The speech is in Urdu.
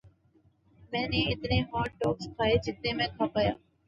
میں نے اتنے ہاٹ ڈاگز کھائیں جتنے میں کھا پایا